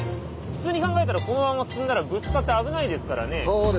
普通に考えたらこのまま進んだらぶつかって危ないですからね。